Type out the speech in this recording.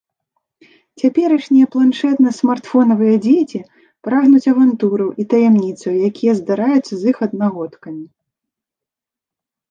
Цяперашнія планшэтна-смартфонавыя дзеці прагнуць авантураў і таямніцаў, якія здараюцца з іх аднагодкамі.